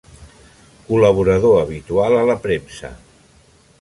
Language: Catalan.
Col·laborador habitual a la premsa.